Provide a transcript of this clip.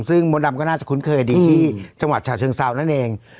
ซึ่งมดดำก็น่าจะคุ้นเคยดีที่จังหวัดฉะเชิงเซานั่นเอง